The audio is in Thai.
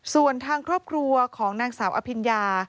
ส่วนทางครอบครัวของนางสาวอภิญญา